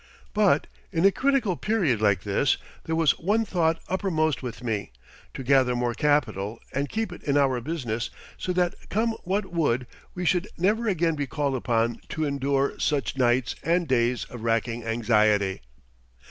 But in a critical period like this there was one thought uppermost with me, to gather more capital and keep it in our business so that come what would we should never again be called upon to endure such nights and days of racking anxiety.